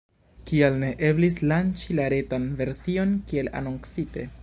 Kial ne eblis lanĉi la retan version kiel anoncite?